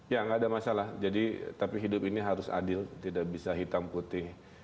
ya nggak ada masalah tapi hidup ini harus adil tidak bisa hitam putih